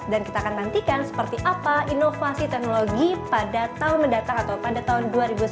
dan kita akan nantikan seperti apa inovasi teknologi pada tahun mendatang atau pada tahun dua ribu sembilan belas